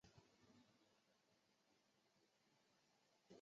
巴天酸模为蓼科酸模属下的一个种。